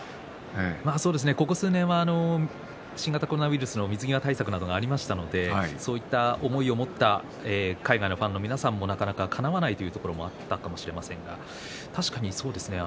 そうですね、ここ数年は新型コロナウイルスの水際対策などもありましたからそういった思いを持った海外のファンの皆さんの願いもかなわないというところがありましたが確かにそうですね